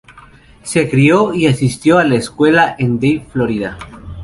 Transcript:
Se crió y asistió a la escuela en Davie, Florida.